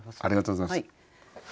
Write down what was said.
ありがとうございます。